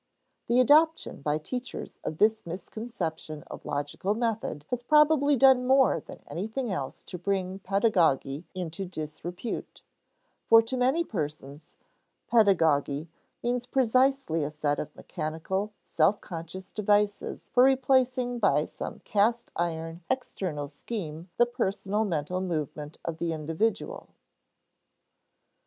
The adoption by teachers of this misconception of logical method has probably done more than anything else to bring pedagogy into disrepute; for to many persons "pedagogy" means precisely a set of mechanical, self conscious devices for replacing by some cast iron external scheme the personal mental movement of the individual.